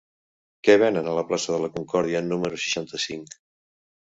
Què venen a la plaça de la Concòrdia número seixanta-cinc?